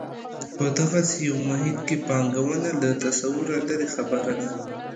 په دغسې یو محیط کې پانګونه له تصوره لرې خبره ده.